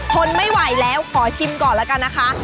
ทนไม่ไหวแล้วขอชิมก่อนแล้วกันนะคะ